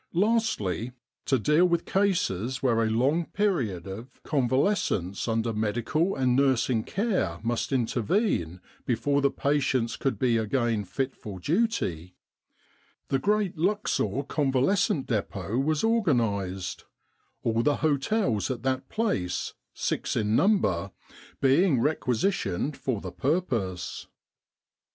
Lastly, to deal with cases where a long period of convalescence under medical and nursing care must intervene before the patients could be again fit for duty, the great Luxor Convalescent 28 Egypt and the Great War Depot was organised, all the hotels at that place, six in number, being requisitioned for the purpose.